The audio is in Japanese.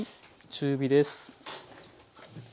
中火です。